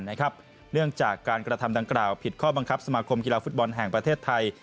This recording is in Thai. เนื่องจากการกระทำดังกล่าวผิดข้อบังคับสมาคมกีฬาฟุตบอลแห่งประเทศไทย